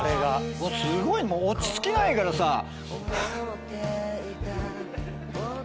すごい落ち着きないからさ。